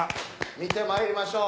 見てまいりましょう。